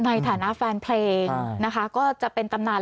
ในฐานะแฟนเพลงนะคะก็จะเป็นตำนาน